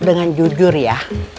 dengan jujur ya